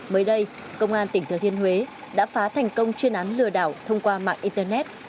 mới đây công an tỉnh thừa thiên huế đã phá thành công chuyên án lừa đảo thông qua mạng internet